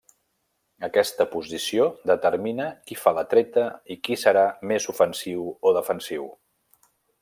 Aquesta posició determina qui fa la treta i qui serà més ofensiu o defensiu.